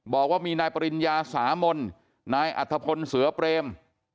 บอกว่ามีนายปริญญาสามนนายอัธพลเสือเปรม